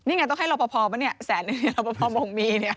นี่ไงต้องให้เราพอปะเนี่ยแสนหนึ่งเราพอมองมีเนี่ย